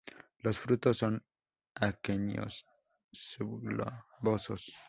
Los frutos son aquenios subglobosos.